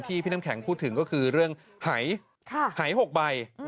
พี่น้ำแข็งพูดถึงก็คือเรื่องหาย๖ใบ